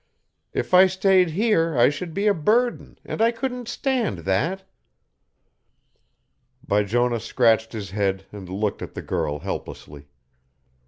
If I stayed here I should be a burden, and I couldn't stand that." Bijonah scratched his head and looked at the girl helplessly.